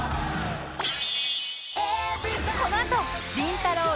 このあとりんたろー。